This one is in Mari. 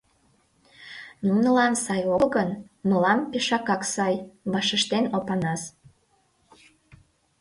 — Нунылан сай огыл гын, мылам пешакак сай, — вашештен Опанас.